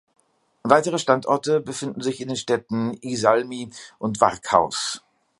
Weitere Standorte befinden sich in den Städten Iisalmi und Varkaus.